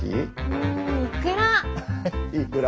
うんいくら。